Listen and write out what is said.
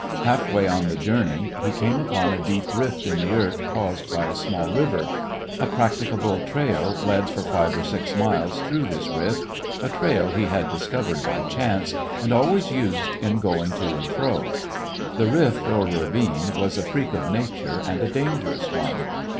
Halfway on the journey he came upon a deep rift in the earth caused by a small river. A practicable trail led for five or six miles through this rift — a trail he had discovered by chance and always used in going to and fro. The rift, or ravine, was a freak of nature, and a dangerous one.